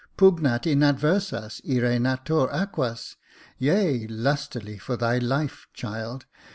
• Pugnat in adversas ire natator aquas,^ yea, lustily for thy life, child.